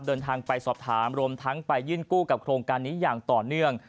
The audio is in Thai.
เดินทางไปสอบถามรวมทั้งไปยื่นกู้กับโครงการนี้อย่างต่อเนื่อง